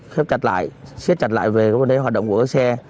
khép chặt lại xếp chặt lại về các vấn đề hoạt động của xe